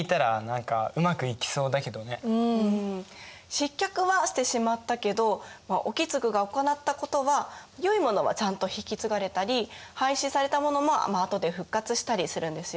失脚はしてしまったけど意次が行ったことはよいものはちゃんと引き継がれたり廃止されたものもあとで復活したりするんですよ。